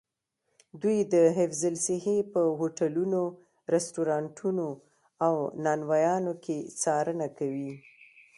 دوی د حفظ الصحې په هوټلونو، رسټورانتونو او نانوایانو کې څارنه کوي.